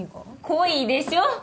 恋でしょ恋。